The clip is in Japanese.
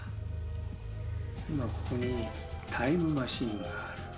「今ここにタイムマシンがある」